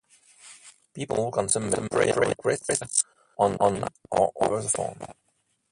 People can submit prayer requests online or over the phone.